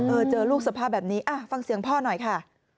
เจอลูกสภาพแบบนี้ฟังเสียงพ่อหน่อยค่ะ